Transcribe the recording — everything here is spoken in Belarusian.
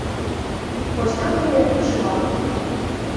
Вось там я і адпачывала.